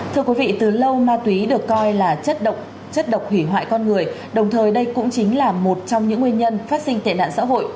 thưa quý vị từ lâu ma túy được coi là chất độc hủy hoại con người đồng thời đây cũng chính là một trong những nguyên nhân phát sinh tệ nạn xã hội